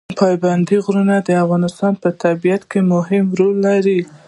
پابندی غرونه د افغانستان په طبیعت کې مهم رول لري.